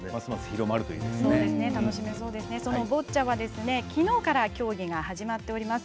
そのボッチャはきのうから競技が始まっております。